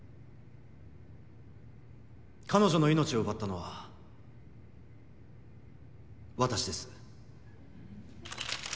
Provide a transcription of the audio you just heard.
彼女の命を奪ったのは私です。